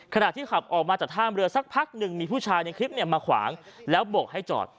ขณะที่ขับออกมาจากท่ามเรือสักพักหนึ่งมีผู้ชายในคลิปเนี่ยมาขวางแล้วบกให้จอด